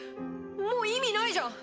もう意味ないじゃん。